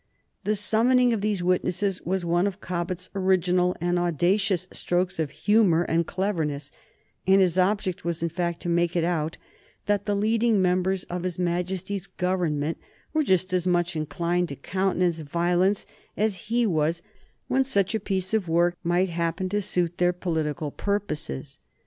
The summoning of these witnesses was one of Cobbett's original and audacious strokes of humor and of cleverness, and his object was, in fact, to make it out that the leading members of his Majesty's Government were just as much inclined to countenance violence as he was when such a piece of work might happen to suit their political purposes.